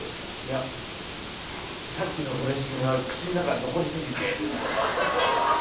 いやさっきのドレッシングが口の中に残りすぎて。